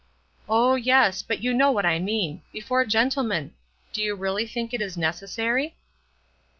"Oh, yes; but you know what I mean before gentlemen. Do you really think it is necessary?"